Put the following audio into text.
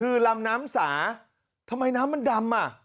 คือลำน้ำสาทำไมน้ำมันดำอ่ะ